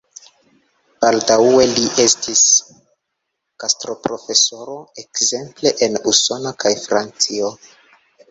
Baldaŭe li estis gastoprofesoro ekzemple en Usono kaj Francio.